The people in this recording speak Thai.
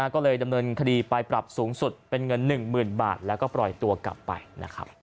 ก็เลยดำเนินคดีไปปรับสูงสุดเป็นเงิน๑๐๐๐บาทแล้วก็ปล่อยตัวกลับไปนะครับ